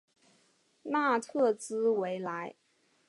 纳特兹维莱。